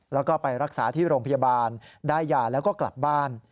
แล้วก็ไปรักษาที่โรงพยาบาลได้ยาแล้วก็กลับบ้าน